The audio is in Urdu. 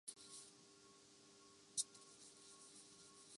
صبح پھوٹی تو وہ پہلو سے اٹھا آخر شب